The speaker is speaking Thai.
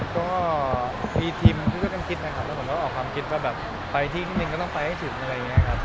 ก็มีทีมที่ก็ต้องคิดนะครับแล้วผมก็ออกความคิดว่าแบบไปที่นิดนึงก็ต้องไปให้ถึงอะไรอย่างนี้ครับ